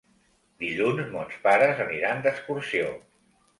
Dilluns mons pares aniran d'excursió.